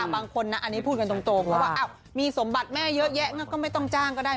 บางคนนะอันนี้พูดกันตรงเพราะว่ามีสมบัติแม่เยอะแยะก็ไม่ต้องจ้างก็ได้